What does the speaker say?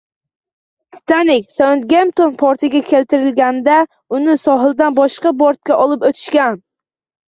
Titanik" Sautgempton portiga keltirilganda, uni sohildan boshqa bortga olib oʻtishgan